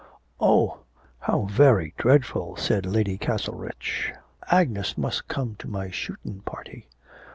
'Oh, how very dreadful,' said Lady Castlerich, 'Agnes must come to my shootin' party.'